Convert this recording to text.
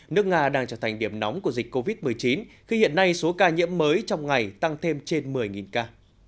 nước nga đang trở thành điểm nóng của dịch covid một mươi chín khi hiện nay số ca nhiễm mới trong ngày tăng thêm trên một mươi ca